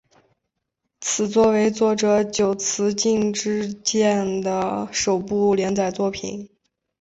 此作为作者久慈进之介的首部连载作品。